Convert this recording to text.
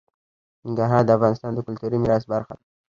ننګرهار د افغانستان د کلتوري میراث برخه ده.